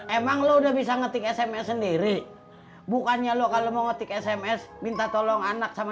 emang lo udah bisa ngetik sms sendiri bukannya lo kalau mau ngetik sms minta tolong anak sama